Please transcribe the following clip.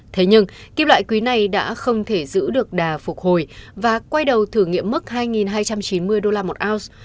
thế nhưng kim loại quý này đã không thể giữ được đà phục hồi và quay đầu thử nghiệm mức hai hai trăm chín mươi đô la một ounce